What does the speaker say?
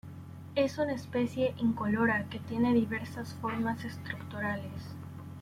Es una especie incolora que tiene diversas formas estructurales.